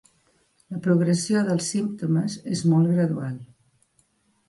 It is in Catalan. La progressió dels símptomes és molt gradual.